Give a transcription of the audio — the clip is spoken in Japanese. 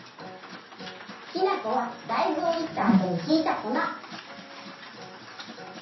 きな粉はだいずをいったあとにひいたこな。